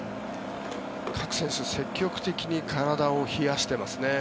各選手積極的に体を冷やしていますね。